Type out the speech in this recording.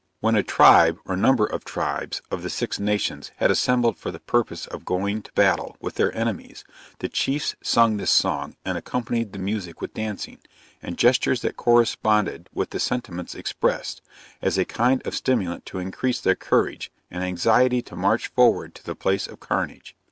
When a tribe, or number of tribes of the Six Nations, had assembled for the purpose of going to battle with their enemies, the Chiefs sung this song, and accompanied the music with dancing, and gestures that corresponded with the sentiments expressed, as a kind of stimulant to increase their courage, and anxiety to march forward to the place of carnage.